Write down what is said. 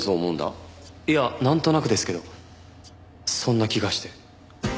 いやなんとなくですけどそんな気がして。